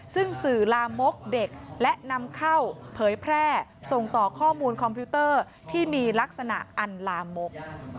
ซึ่งสื่อลามกเด็กและนำเข้าเผยแพร่ส่งต่อข้อมูลคอมพิวเตอร์ที่มีลักษณะอันลามก